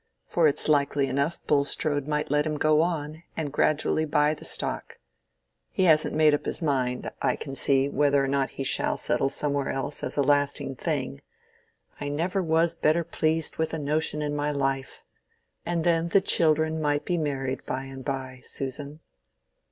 For it's likely enough Bulstrode might let him go on, and gradually buy the stock. He hasn't made up his mind, I can see, whether or not he shall settle somewhere else as a lasting thing. I never was better pleased with a notion in my life. And then the children might be married by and by, Susan."